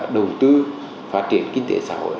đồng tư phát triển kinh tế xã hội